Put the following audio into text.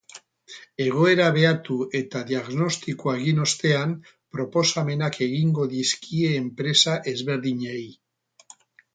Egoera behatu eta diagnostikoa egin ostean, proposamenak egingo dizkie enpresa ezberdinei.